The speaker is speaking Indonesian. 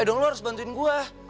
eh dong lu harus bantuin gue